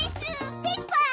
ペッパー！